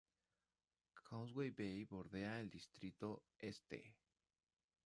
Causeway Bay bordea el Distrito Este.